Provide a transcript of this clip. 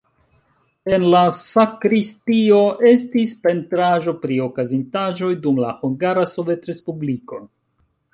En la sakristio estis pentraĵo pri okazintaĵoj dum la Hungara Sovetrespubliko.